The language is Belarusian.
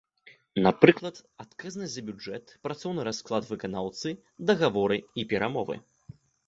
Напрыклад, адказнасць за бюджэт, працоўны расклад выканаўцы, дагаворы і перамовы.